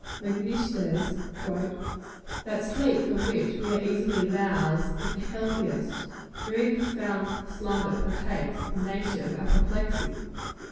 Macnish says "That sleep from which we are easily roused, is the healthiest; very profound slumber partakes of the nature of apoplexy."